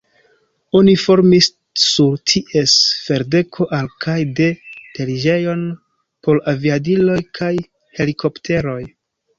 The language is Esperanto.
Oni formis sur ties ferdeko al- kaj de-teriĝejon por aviadiloj kaj helikopteroj.